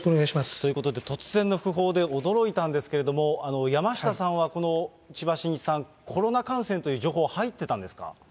ということで突然の訃報で、驚いたんですけれども、山下さんはこの千葉真一さん、コロナ感染という情報は入ってたんですか。